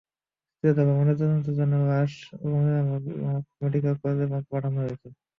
দ্বিতীয় দফা ময়নাতদন্তের জন্য তাঁর লাশ কুমিল্লা মেডিকেল কলেজের মর্গে পাঠানো হয়েছে।